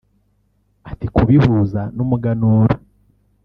Ati “kubihuza n’umuganura